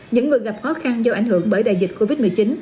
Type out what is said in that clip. những người gặp khó khăn do ảnh hưởng bởi đại dịch covid một mươi chín